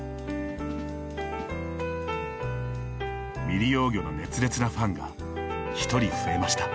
未利用魚の熱烈なファンが１人増えました。